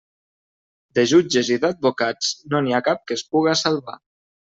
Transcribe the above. De jutges i d'advocats, no n'hi ha cap que es puga salvar.